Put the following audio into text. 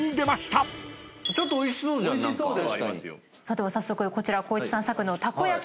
では早速こちら光一さん作のたこ焼き